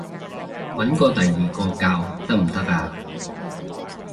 搵過第二個教得唔得啊？